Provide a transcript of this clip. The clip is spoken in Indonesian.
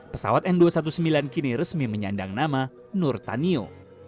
pesawat n dua ratus sembilan belas kini resmi menyandang nama nurtanio